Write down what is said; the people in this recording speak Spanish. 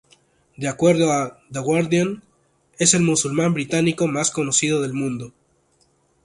De acuerdo a The Guardian, es el musulmán británico más conocido del mundo.